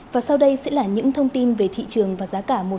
và sau đây sẽ là những thông tin về thị trường và giá cả mùa xuân